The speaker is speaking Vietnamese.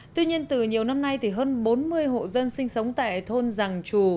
tuy nhiên từ nhiều năm nay thì hơn bốn mươi hộ dân sinh sống tại thôn giàng trù